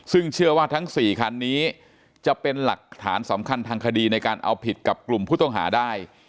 ซึ่งเชื่อว่าทั้ง๔คันนี้จะเป็นหลักฐานสำคัญทางคดีในการเอาผิดกับกลุ่มผู้ต้องหาได้